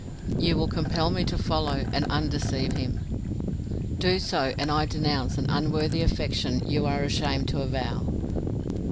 "You will compel me to follow, and undeceive him." "Do so, and I denounce an unworthy affection you are ashamed to avow."